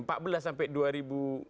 empat belas sampai dua ribu